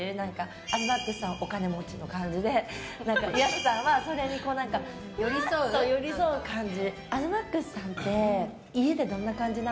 東ＭＡＸさんはお金持ちの感じで安さんはそれに寄り添う感じ。